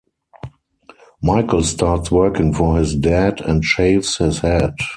Michael starts working for his dad and shaves his head.